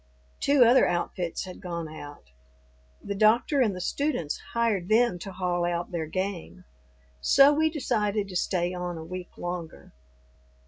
Two other outfits had gone out. The doctor and the students hired them to haul out their game. So we decided to stay on a week longer.